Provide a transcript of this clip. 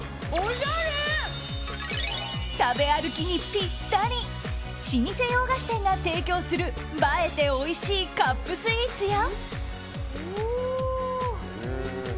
食べ歩きにぴったり老舗洋菓子店が提供する映えておいしいカップスイーツや。